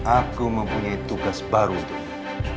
aku mempunyai tugas baru untukmu